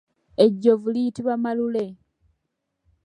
Ejjovu liyitibwa malule.